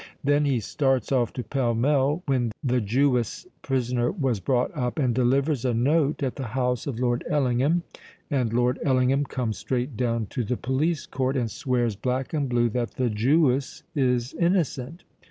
Then he starts off to Pall Mall, when the Jewess prisoner was brought up, and delivers a note at the house of Lord Ellingham; and Lord Ellingham comes straight down to the Police Court and swears black and blue that the Jewess is innocent."